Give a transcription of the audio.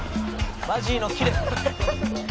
「マジーのキレ！」